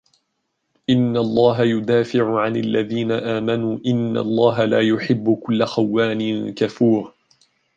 إن الله يدافع عن الذين آمنوا إن الله لا يحب كل خوان كفور